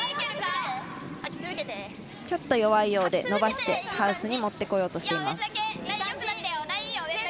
ちょっと弱いようで伸ばしてハウスにもってこようとしています。